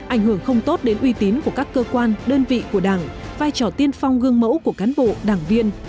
ảnh hưởng không tốt đến uy tín của các cơ quan đơn vị của đảng vai trò tiên phong gương mẫu của cán bộ đảng viên